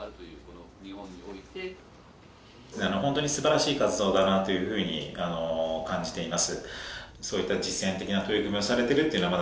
本当にすばらしい活動だなというふうに感じています。